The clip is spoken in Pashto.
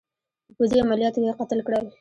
په پوځي عملیاتو کې قتل کړل.